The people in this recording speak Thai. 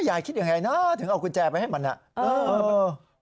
ยายคิดยังไงนะถึงเอากุญแจไปให้มันอ่ะ